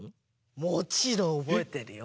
もちろんおぼえてるよ！